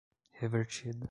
revertida